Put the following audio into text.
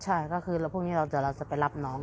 ใช่ก็คือแล้วพรุ่งนี้เราจะไปรับน้อง